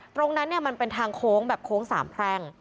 ตรงนั้นเนี่ยมันเป็นทางโค้งแบบโค้งสามแพร่ง